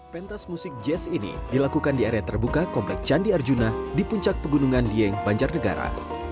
pentas musik jazz ini dilakukan di area terbuka komplek candi arjuna di puncak pegunungan dieng banjarnegara